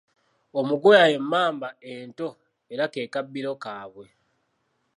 Omuguya y’emmamba ento era ke kabbiro kaabwe.